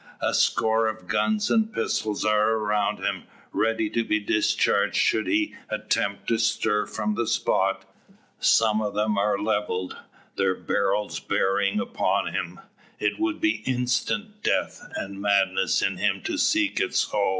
A score of guns and pistols are around him, ready to be discharged should he attempt to stir from the spot. Some of them are levelled, their barrels bearing upon him. It would be instant death, and madness in him to seek it so.